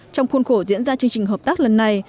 chương trình hợp tác lần này